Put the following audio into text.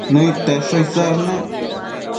Nëid tesho isash nec